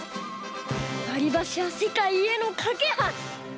わりばしはせかいへのかけはし。